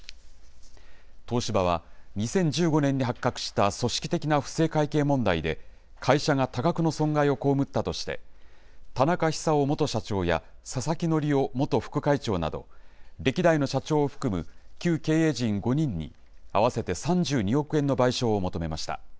東芝は、２０１５年に発覚した組織的な不正会計問題で、会社が多額の損害を被ったとして、田中久雄元社長や佐々木則夫元副会長など、歴代の社長を含む旧経営陣５人に、合わせて３２億円の賠償を求めました。